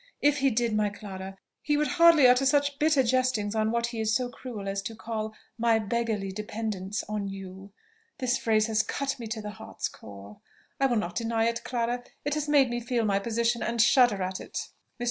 If he did, my Clara! he would hardly utter such bitter jestings on what he is so cruel as to call 'my beggarly dependence' on you. This phrase has cut me to the heart's core, I will not deny it, Clara: it has made me feel my position, and shudder at it." Mr.